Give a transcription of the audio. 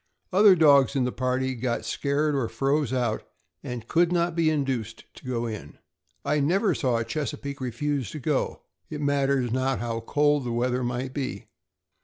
Other dogs in the party got scared or froze out, and could not be induced to go in. I never saw a Chesapeake refuse to go, it matters not how cold the weather might be.